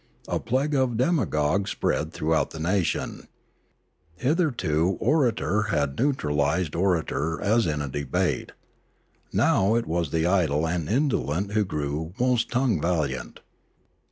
A plague of demagogues spread throughout the nation. Hitherto orator bad neutralised orator as in a debate. Now it was the idle and indolent who grew most tongue valiant.